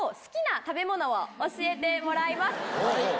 教えてもらいます。